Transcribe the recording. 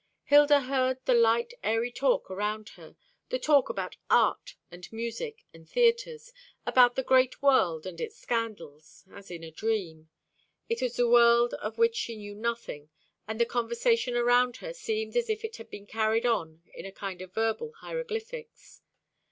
Hilda heard the light, airy talk around her the talk about art and music and theatres, about the great world and its scandals as in a dream. It was a world of which she knew nothing; and the conversation around her seemed as if it had been carried on in a kind of verbal hieroglyphics.